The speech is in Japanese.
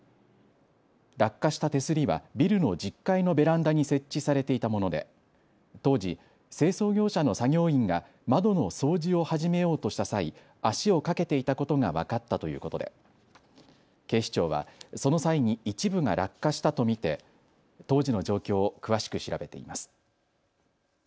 落下した手すりはビルの１０階のベランダに設置されていたもので当時、清掃業者の作業員が窓の掃除を始めようとした際、足をかけていたことが分かったということで警視庁はその際に一部が落下したと見て当時の状況を詳しく調べています。